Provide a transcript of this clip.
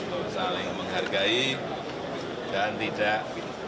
untuk saling menghargai dan tidak